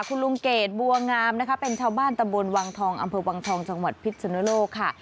คุณลุงเกฐบวงามเป็นชาวบ้านตะบ่นวางทองอำเภอวางทองจังหวัดพิษสุนโลกค่ะ